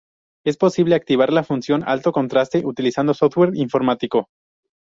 Es posible activar la función alto contraste utilizando software informático.